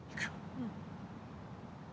うん。